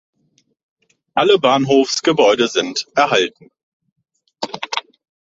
Alle Bahnhofsgebäude sind erhalten.